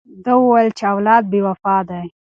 ده وویل چې اولاد بې وفا دی.